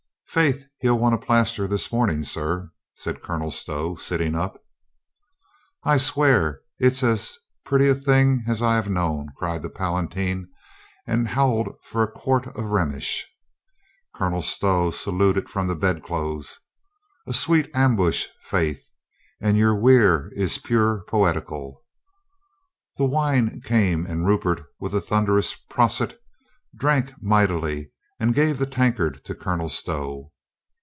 "Faith, he'll want a plaster this morning, sir," says Colonel Stow, sitting up. "I'll swear it's as pretty a thing as I have known," cried the Palatine and howled for a quart of Rhen ish. Colonel Stow saluted from the bedclothes. "A sweet ambush, faith. And your weir is pure poet ical." The wine came and Rupert with a thunder ous "Prosit!" drank mightily and gave the tankard to Colonel Stow.